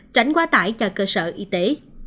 tránh quá tải cho cơ sở y tế